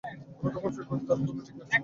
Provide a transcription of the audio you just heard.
আমি কখন ফিরব, তার কি কোনো ঠিক আছে?